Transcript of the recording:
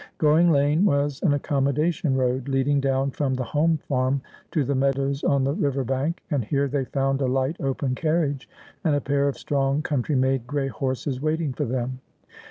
Goring Lane was an accommodation road, leading down from the home farm to the meadows on the river bank, and here they found a light open carriage and a pair of strong country made gray horses waiting for them.